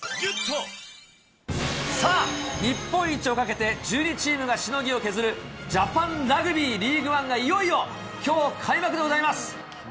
さあ、日本一をかけて１２チームがしのぎを削るジャパンラグビーリーグワンがいよいよきょう開幕でございます。